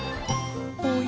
「おや？